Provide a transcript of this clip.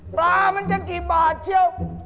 มันจะกี่บาทเชียว